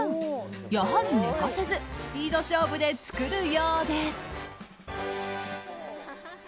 やはり寝かせずスピード勝負で作るようです。